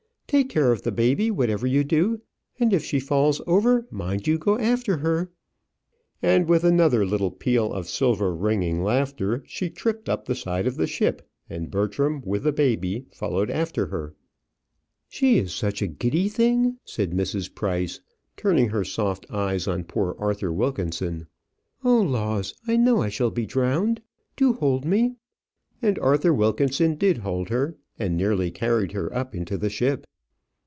Ha! ha! Take care of the baby, whatever you do; and if she falls over, mind you go after her." And with another little peal of silver ringing laughter, she tripped up the side of the ship, and Bertram, with the baby, followed after her. "She is such a giddy thing," said Mrs. Price, turning her soft eyes on poor Arthur Wilkinson. "Oh, laws! I know I shall be drowned. Do hold me." And Arthur Wilkinson did hold her, and nearly carried her up into the ship.